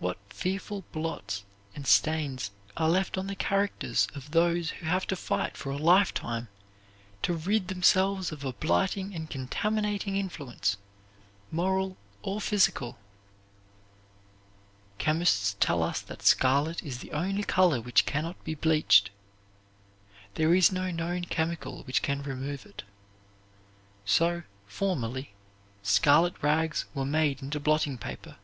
What fearful blots and stains are left on the characters of those who have to fight for a lifetime to rid themselves of a blighting and contaminating influence, moral or physical! Chemists tell us that scarlet is the only color which can not be bleached. There is no known chemical which can remove it. So, formerly, scarlet rags were made into blotting paper.